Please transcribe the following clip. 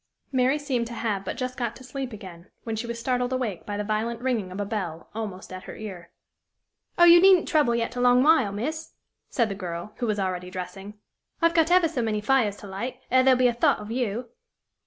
Mary seemed to have but just got to sleep again, when she was startled awake by the violent ringing of a bell, almost at her ear. "Oh, you needn't trouble yet a long while, miss!" said the girl, who was already dressing. "I've got ever so many fires to light, ere there'll be a thought of you!"